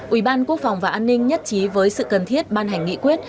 ủy ban quốc phòng và an ninh nhất trí với sự cần thiết ban hành nghị quyết